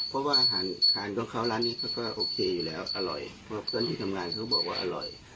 เพราะว่าอาหารทานของเขาร้านนี้เขาก็โอเคอยู่แล้วอร่อยเพราะเพื่อนที่ทำงานเขาบอกว่าอร่อย